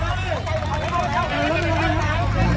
อันนี้ก็มันถูกประโยชน์ก่อน